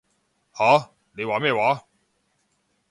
吓？你話咩話？